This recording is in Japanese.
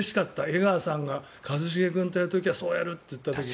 江川さんが一茂君とやる時はそうやるって言った時。